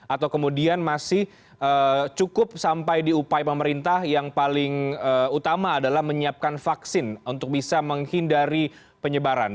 atau kemudian masih cukup sampai diupaya pemerintah yang paling utama adalah menyiapkan vaksin untuk bisa menghindari penyebaran